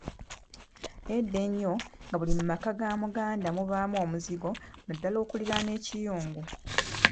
Edda ennyo nga buli maka ga Muganda mubaamu omuzigo naddala okuliraana ekiyungu.